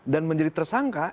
dan menjadi tersangka